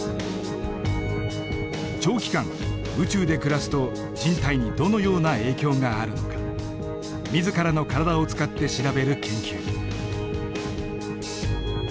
長期間宇宙で暮らすと人体にどのような影響があるのか自らの体を使って調べる研究。